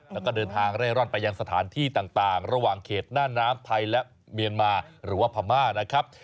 แล้วก็เดินทางเร่ร่อนไปยังสถานที่ต่างระหว่างเขตหน้าน้ำไทยและเมียนมาหรือว่าพม่านะครับ